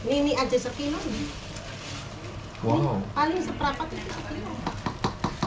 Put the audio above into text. ini paling seprapat itu satu kg